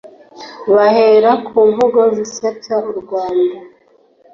bahera ku mvugo zisebya u Rwanda